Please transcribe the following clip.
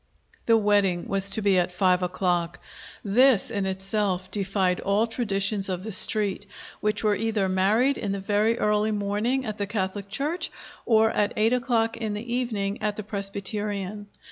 The wedding was to be at five o'clock. This, in itself, defied all traditions of the Street, which was either married in the very early morning at the Catholic church or at eight o'clock in the evening at the Presbyterian.